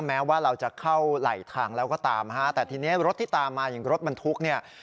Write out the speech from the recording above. แม้ว่าเราจะเข้าไหลทางแล้วก็ตามฮะแต่ทีนี้รถที่ตามมาอย่างรถบรรทุกเนี่ย